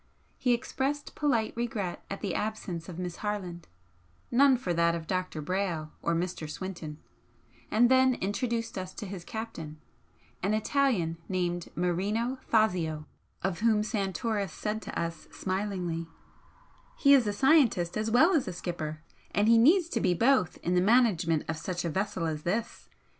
He expressed polite regret at the absence of Miss Harland none for that of Dr. Brayle or Mr. Swinton and then introduced us to his captain, an Italian named Marino Fazio, of whom Santoris said to us, smilingly: "He is a scientist as well as a skipper and he needs to be both in the management of such a vessel as this.